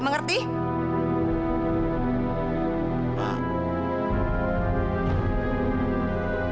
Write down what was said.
mainin lagi mengerti